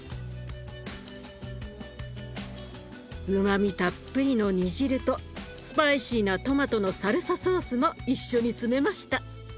うまみたっぷりの煮汁とスパイシーなトマトのサルサソースも一緒に詰めました。